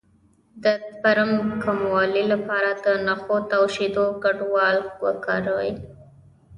د سپرم د کموالي لپاره د نخود او شیدو ګډول وکاروئ